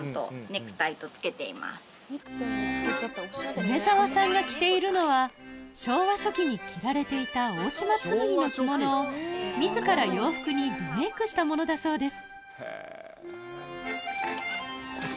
梅澤さんが着ているのは昭和初期に着られていた大島つむぎの着物を自ら洋服にリメイクしたものだそうです